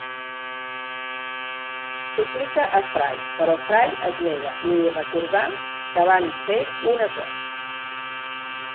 Suplica a Fry, però Fry es nega i li recordar que van fer un acord.